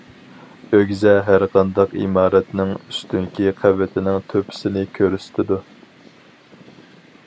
ئۆگزە-ھەرقانداق ئىمارەتنىڭ ئۈستۈنكى قەۋىتىنىڭ تۆپىسىنى كۆرسىتىدۇ.